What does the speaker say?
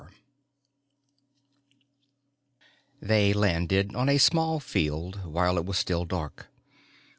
IV They landed on a small field while it was still dark.